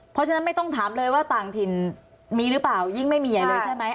เพราะฉะนั้นไม่ต้องถามเลยว่าต่างถิ่นมีหรือเปล่ายิ่งไม่มีใหญ่เลยใช่ไหม